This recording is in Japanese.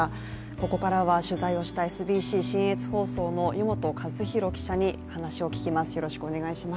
ここからは取材をしたＳＢＣ信越放送の湯本和寛記者に話を聞きます。